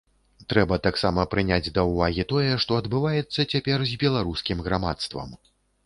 Трэба таксама прыняць да ўвагі тое, што адбываецца цяпер з беларускім грамадствам.